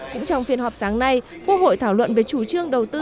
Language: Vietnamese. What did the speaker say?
cũng trong phiên họp sáng nay quốc hội thảo luận về chủ trương đầu tư